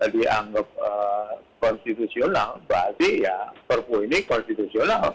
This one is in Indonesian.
dianggap konstitusional berarti ya perpu ini konstitusional